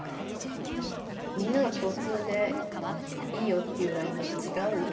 みんながきょう通でいいよっていうラインはちがう。